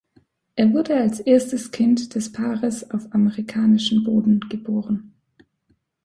Er wurde als erstes Kind des Paares auf amerikanischen Boden geboren.